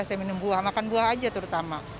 saya minum buah makan buah aja terutama